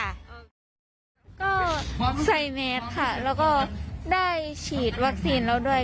ก็ใส่แมสค่ะแล้วก็ได้ฉีดวัคซีนแล้วด้วย